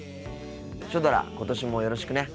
シュドラ今年もよろしくね。